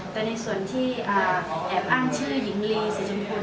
แต่ในส่วนที่อ่าแอบอ้างชื่อหญิงรีซิริมรี